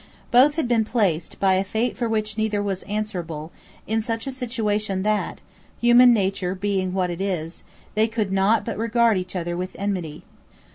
Both had been placed, by a fate for which neither was answerable, in such a situation that, human nature being what it is, they could not but regard each other with enmity.